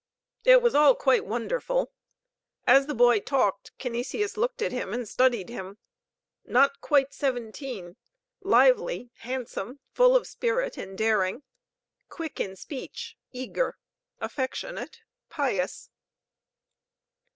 It was all quite wonderful. As the boy talked, Canisius looked at him and studied him: not quite seventeen, lively, handsome, full of spirit and daring, quick in speech, eager, affectionate, pious.